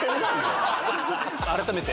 改めて。